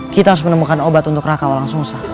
kita harus menemukan obat untuk ra'kah orang susang